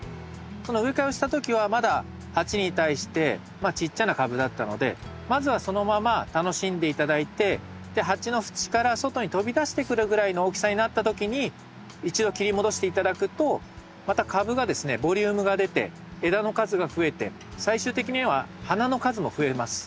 植え替えをした時はまだ鉢に対してまあちっちゃな株だったのでまずはそのまま楽しんで頂いて鉢の縁から外に飛び出してくるぐらいの大きさになった時に一度切り戻して頂くとまた株がですねボリュームが出て枝の数が増えて最終的には花の数も増えます。